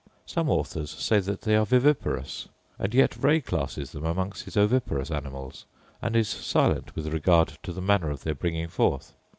Some authors say that they are viviparous: and yet Ray classes them among his oviparous animals; and is silent with regard to the manner of their bringing forth.